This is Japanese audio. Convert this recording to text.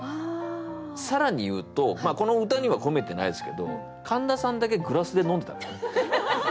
更に言うとこの歌には込めてないですけど神田さんだけグラスで飲んでたからね。